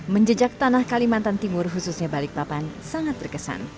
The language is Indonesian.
menjejak tanah kalimantan timur khususnya balikpapan sangat berkesan